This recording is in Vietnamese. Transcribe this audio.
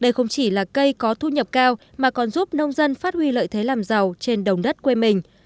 đây không chỉ là cây có thu nhập cao mà còn giúp nông dân phát huy lợi thế làm giàu trên đồng đất quê mình